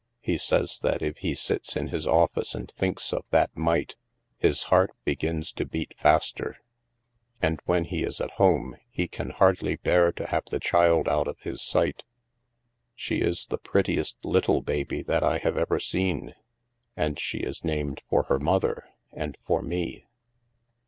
He says that if he sits in his office and thinks of that mite, his heart begins to beat faster. And when he is at home, he can hardly bear to have the child out of his sight. She is the prettiest little baby that I have ever seen, and she is named for her mother and for me.